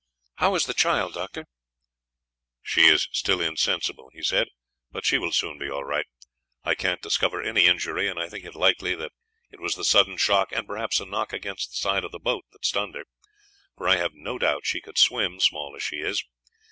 "How is the child, Doctor?" "She is still insensible," he said, "but she will soon be all right. I can't discover any injury, and I think it likely that it was the sudden shock, and perhaps a knock against the side of the boat, that stunned her; for I have no doubt she could swim, small as she is.